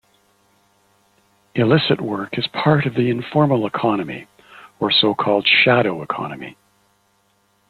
Illicit work is part of the informal economy or so called "shadow economy".